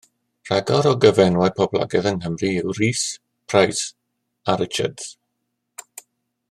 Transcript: Rhagor o gyfenwau poblogaidd yng Nghymru yw Rees, Price a Richards.